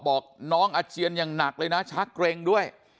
บอกน้องอาเจียนอย่างหนักเลยนะชักเกร็งด้วย